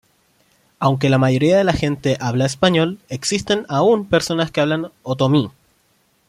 Aunque la mayoría de la gente habla español, existen aún personas hablan otomí.